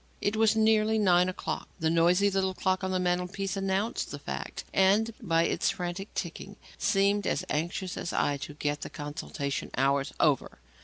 It was nearly nine o'clock. The noisy little clock on the mantelpiece announced the fact, and, by its frantic ticking, seemed as anxious as I to get the consultation hours over.